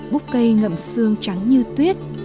búp cây ngậm xương trắng như tuyết